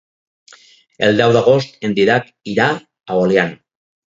El deu d'agost en Dídac irà a Oliana.